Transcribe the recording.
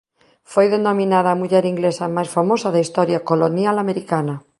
Foi denominada a muller inglesa máis famosa da historia colonial americana.